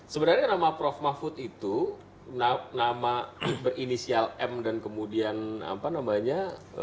sebenarnya nama prof mahfud itu nama berinisial m dan kemudian apa namanya